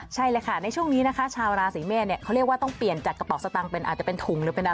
ใช่เลยค่ะในช่วงนี้นะคะชาวราศีเมษเนี่ยเขาเรียกว่าต้องเปลี่ยนจากกระเป๋าสตางค์เป็นอาจจะเป็นถุงหรือเป็นอะไร